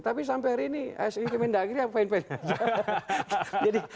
tapi sampai hari ini asn kemenda agri apa yang dipakai